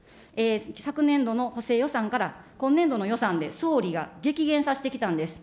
昨年度の補正予算から今年度の予算で総理が激減させてきたんです。